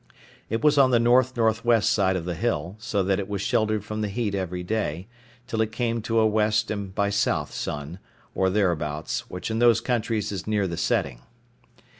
It was on the N.N.W. side of the hill; so that it was sheltered from the heat every day, till it came to a W. and by S. sun, or thereabouts, which, in those countries, is near the setting.